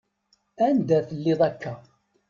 Anda telliḍ akka?